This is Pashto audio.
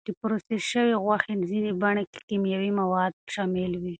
د پروسس شوې غوښې ځینې بڼې کې کیمیاوي مواد شامل وي.